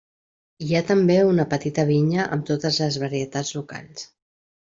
Hi ha també una petita vinya amb totes les varietats locals.